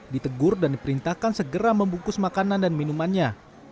ditegur dan diperintahkan segera membungkus makanan dan minumannya